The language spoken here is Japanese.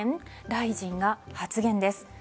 大臣が発言です。